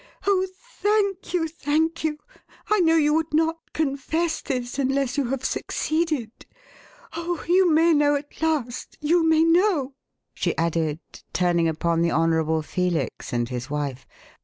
Oh, thank you, thank you! I know you would not confess this unless you have succeeded. Oh, you may know at last you may know!" she added, turning upon the Honourable Felix and his wife.